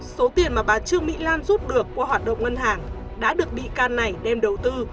số tiền mà bà trương mỹ lan rút được qua hoạt động ngân hàng đã được bị can này đem đầu tư